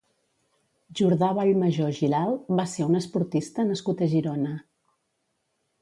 Jordà Vallmajó Giralt va ser un esportista nascut a Girona.